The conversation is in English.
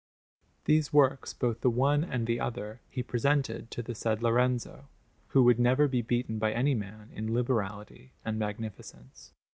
These works, both the one and the other, he presented to the said Lorenzo, who would never be beaten by any man in liberality and magnificence.